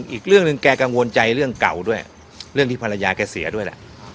อีกเรื่องหนึ่งแกกังวลใจเรื่องเก่าด้วยเรื่องที่ภรรยาแกเสียด้วยแหละ